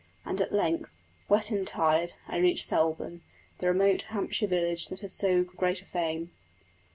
And at length, wet and tired, I reached Selborne the remote Hampshire village that has so great a fame.